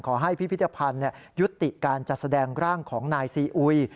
พิพิธภัณฑ์ยุติการจัดแสดงร่างของนายซีอุย